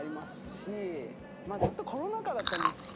ずっとコロナ禍だったんで行けなくて。